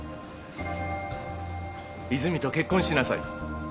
泉と結婚しなさい。